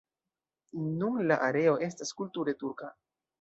Nun la areo estas kulture turka.